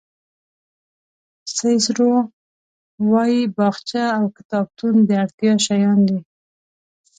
سیسرو وایي باغچه او کتابتون د اړتیا شیان دي.